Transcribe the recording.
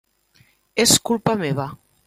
És culpa meva.